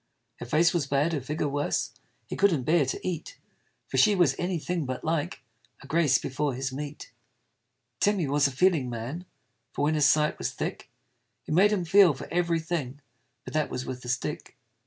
Her face was bad, her figure worse, He couldn't bear to eat: For she was any thing but like A Grace before his meat. Tim he was a feeling man: For when his sight was thick, It made him feel for every thing But that was with a stick.